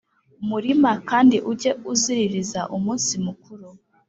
murima Kandi ujye uziririza umunsi mukuru